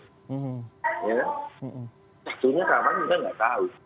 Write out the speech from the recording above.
satunya sekarang juga nggak tahu